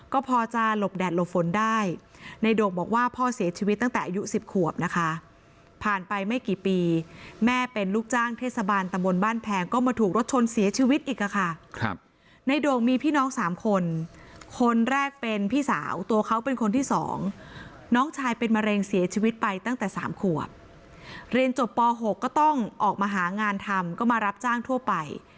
ก็พอจะหลบแดดหลบฝนได้ในโด่งบอกว่าพ่อเสียชีวิตตั้งแต่อายุ๑๐ขวบนะคะผ่านไปไม่กี่ปีแม่เป็นลูกจ้างเทศบาลตำบลบ้านแพงก็มาถูกรถชนเสียชีวิตอีกค่ะครับในโด่งมีพี่น้องสามคนคนแรกเป็นพี่สาวตัวเขาเป็นคนที่สองน้องชายเป็นมะเร็งเสียชีวิตไปตั้งแต่สามขวบเรียนจบป๖ก็ต้องออกมาหางานทำก็มารับจ้างทั่วไป